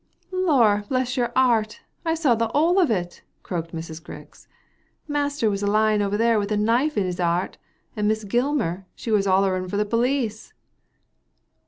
"Lor' bless yer 'eart, I sawr the 'ole of it," croaked Mrs. Grix. " Master was a lying over there with a knife in his 'eart» and Miss Gilmar, she was 'oUering for the police."